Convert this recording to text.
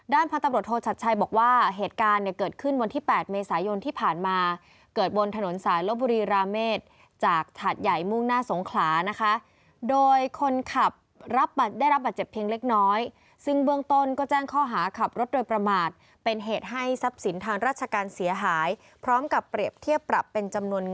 พันตำรวจโทชัดชัยบอกว่าเหตุการณ์เนี่ยเกิดขึ้นวันที่๘เมษายนที่ผ่านมาเกิดบนถนนสายลบบุรีราเมษจากฉาดใหญ่มุ่งหน้าสงขลานะคะโดยคนขับได้รับบาดเจ็บเพียงเล็กน้อยซึ่งเบื้องต้นก็แจ้งข้อหาขับรถโดยประมาทเป็นเหตุให้ทรัพย์สินทางราชการเสียหายพร้อมกับเปรียบเทียบปรับเป็นจำนวน